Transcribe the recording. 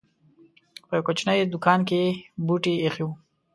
په يوه کوچنۍ دوکان کې یې بوټي اېښي وو.